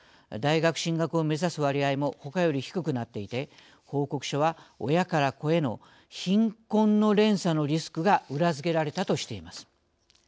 大学進学を目指す割合もほかより低くなっていて報告書は親から子への貧困の連鎖のリスクが裏付けられたとしています。